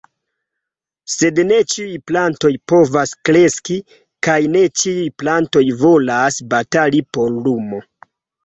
Sed ne ĉiuj plantoj povas kreski, kaj ne ĉiuj plantoj volas batali por lumo.